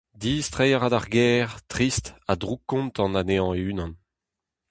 Distreiñ a ra d'ar gêr, trist ha droukkontant anezhañ e-unan.